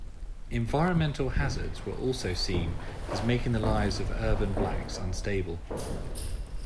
Environmental hazards were also seen as making the lives of urban blacks unstable.